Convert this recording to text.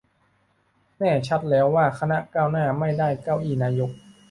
แน่ชัดแล้วว่า คณะก้าวหน้า ไม่ได้เก้าอี้นายก